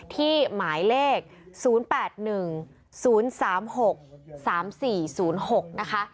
ที่หมายเลข๐๘๑๐๓๖๓๔๐๖นะคะ